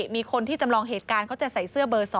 มีคนที่จำลองเหตุการณ์เขาจะใส่เสื้อเบอร์๒